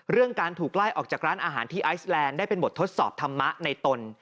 การถูกไล่ออกจากร้านอาหารที่ไอซแลนด์ได้เป็นบททดสอบธรรมะในตน